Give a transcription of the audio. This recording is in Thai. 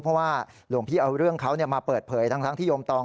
เพราะว่าหลวงพี่เอาเรื่องเขามาเปิดเผยทั้งที่โยมตอง